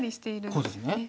こうですね。